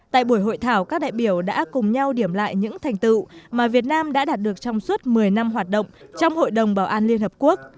tại buổi hội thảo các đại biểu đã cùng nhau điểm lại những thành tựu mà việt nam đã đạt được trong suốt một mươi năm hoạt động trong hội đồng bảo an liên hợp quốc